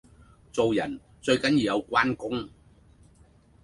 做人最緊要有關公